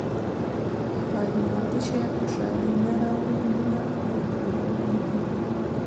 • یوازې مادي شیان خوشالي نه راوړي، مینه او درناوی مهم دي.